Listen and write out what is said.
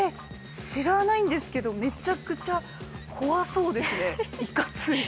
知らないんですけどめちゃくちゃ怖そうですねいかつい。